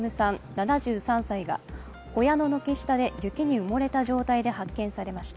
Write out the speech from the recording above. ７３歳が小屋の軒下で雪に埋もれた状態で発見されました。